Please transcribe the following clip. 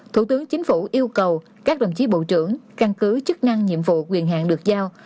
thủ tướng chính phủ yêu cầu các đồng chí bộ trưởng căn cứ chức năng nhiệm vụ quyền hạng được giao